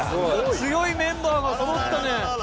強いメンバーがそろったね。